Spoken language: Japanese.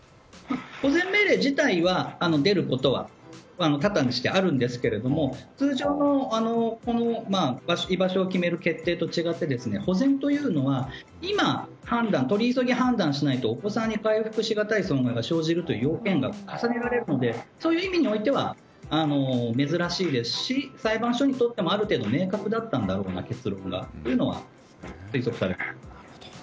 保全命令自体は出ることは多々にしてあるんですけども通常の居場所を決める決定と違って保全というのは今、取り急ぎ判断しないとお子さんに回復しがたい損害が生じる要件が重ねられるのでそういう意味においては珍しいですし裁判所にとってもある程度明確だったんだろうなとは推測されます。